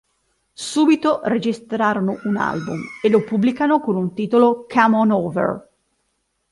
Subito registrarono un album e lo pubblicano con il titolo "Come on Over".